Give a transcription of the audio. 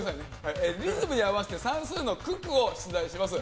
リズムに合わせて算数の九九を出題します。